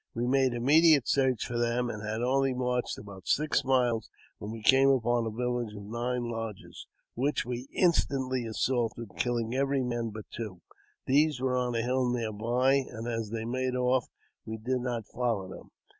We made immediate search for them, and had only marched about six miles when we came upon a village of nine lodges, which we instantly assaulted, killing every man but two. These were on a hill near by, and as they made off we did not follow them.